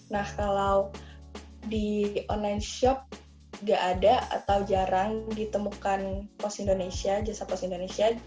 nah kalau di online shop nggak ada atau jarang ditemukan pos indonesia jasa pos indonesia